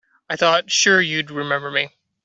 I thought sure you'd remember me.